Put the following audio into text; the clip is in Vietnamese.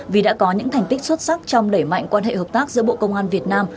vì đã có những thành tích xuất sắc trong đẩy mạnh quan hệ hợp tác giữa bộ công an việt nam